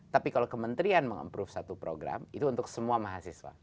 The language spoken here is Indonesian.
tapi kalau kementrian meng approve suatu program itu untuk semua mahasiswa